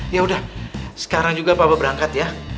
yaudah sekarang juga papa berangkat ya